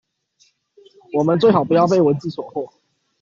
我們最好不要被文字所惑